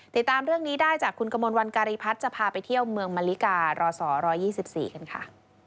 ติดตามเรื่องนี้ได้จากคุณกมลวันการีพัฒน์จะพาไปเที่ยวเมืองมะลิการรศ๑๒๔กันค่ะ